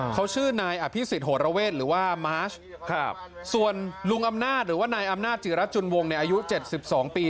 เขาชื่อนายอภิษฎโหระเวทหรือว่ามาร์ชส่วนลุงอำนาจหรือว่านายอำนาจจิรัตจุนวงในอายุ๗๒ปี